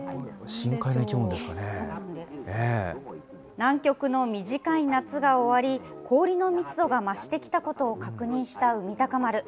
南極の短い夏が終わり、氷の密度が増してきたことを確認した海鷹丸。